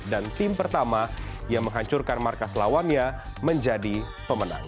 dan tim pertama yang menghancurkan markas lawannya menjadi pemenang